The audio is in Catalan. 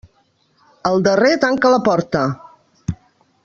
El darrer tanca la porta.